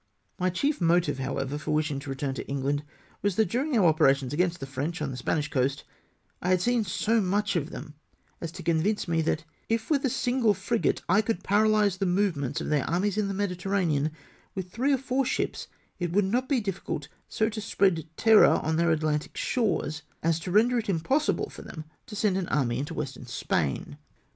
My chief motive, however, for wisliing to return to England was, that during our operations against the French on the Spanish coast, I had seen so much of them as to con\T:nce me, that if with a single frigate I could paralyse the movements of their armies in the Mediterranean — with three or fom* ships it would not be difficult so to spread terror on their Atlantic shores, as to render it unpossible for them to send an army into Western Spain.